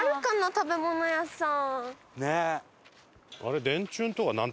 食べ物屋さん。